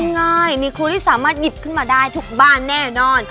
ง่ายมีครูที่สามารถหยิบขึ้นมาได้ทุกบ้านแน่นอน